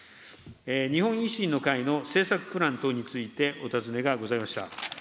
日本維新の会の政策プラン等についてお尋ねがございました。